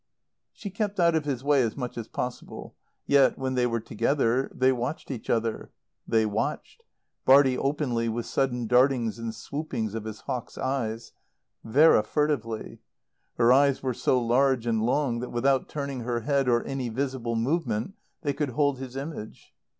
She kept out of his way as much as possible; yet, when they were together they watched each other. They watched; Bartie openly with sudden dartings and swoopings of his hawk's eyes; Vera furtively. Her eyes were so large and long that, without turning her head, or any visible movement, they could hold his image.